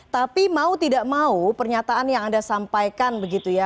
jadi anda tidak mau pernyataan yang anda sampaikan begitu ya